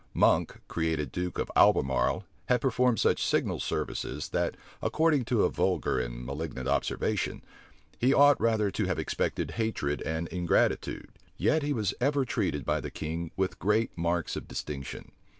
Monk, created duke of Albemarle, had performed such signal services, that, according to a vulgar and malignant observation, he ought rather to have expected hatred and ingratitude; yet was he ever treated by the king with great marks of distinction.